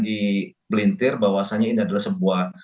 di belintir bahwasannya ini adalah sebuah